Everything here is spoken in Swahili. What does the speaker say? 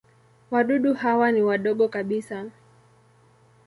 Wadudu hawa ni wadogo kabisa.